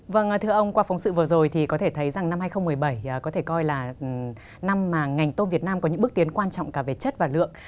vâng thưa ông qua phóng sự vừa rồi thì có thể thấy rằng năm hai nghìn một mươi bảy có thể coi là năm mà ngành tôm việt nam có những bước tiến quan trọng cả về chất và lượng